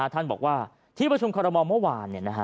ท่านบอกว่าที่ประชุมคอรมอลเมื่อวาน